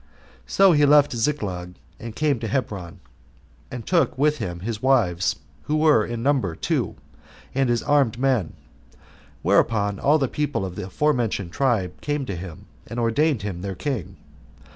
So he left Ziklag, and came to Hebron, and took with him his wives, who were in number two, and his armed men; whereupon all the people of the forementioned tribe came to him, and ordained him their king.